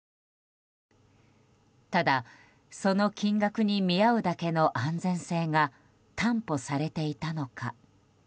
ただ、その金額に見合うだけの安全性が担保されていたのか。